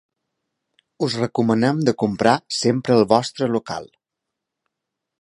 Us recomanem de comprar sempre el vostre local.